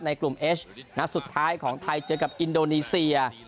กลุ่มเอชนัดสุดท้ายของไทยเจอกับอินโดนีเซีย